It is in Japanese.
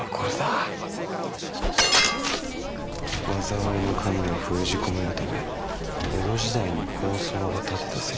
「災いの神を封じ込めるため江戸時代に高僧が建てた石碑。